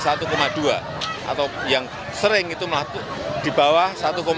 atau yang sering itu di bawah satu